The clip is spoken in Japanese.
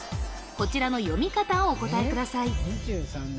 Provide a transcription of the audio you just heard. こちらの読み方をお答えください